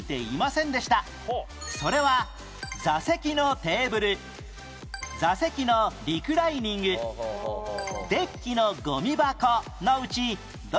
それは座席のテーブル座席のリクライニングデッキのゴミ箱のうちどれでしょう？